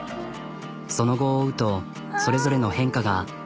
その後を追うとそれぞれの変化が。